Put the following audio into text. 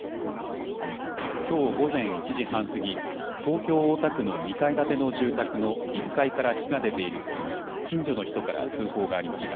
きょう午前１時半過ぎ、東京大田区の２階建ての住宅の１階から火が出ていると近所の人から通報がありました。